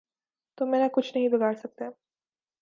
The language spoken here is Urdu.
تم میرا کچھ نہیں بگاڑ سکتے۔